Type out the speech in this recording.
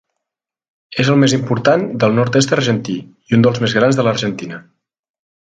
És el més important del Nord-est argentí, i un dels més grans de l'Argentina.